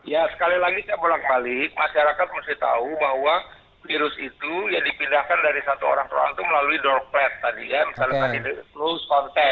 ya sekali lagi saya bolak balik masyarakat mesti tahu bahwa virus itu yang dipindahkan dari satu orang ke orang itu melalui door pad tadi ya